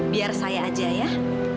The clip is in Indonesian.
biar saya saja yas